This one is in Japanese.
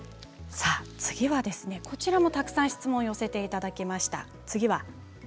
こちらもたくさん質問を寄せていただきました。